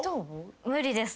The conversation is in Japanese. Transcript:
無理です。